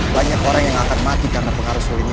banyak orang yang akan mati karena pengaruh sulitnya